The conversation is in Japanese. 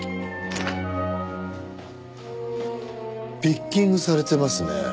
ピッキングされてますね。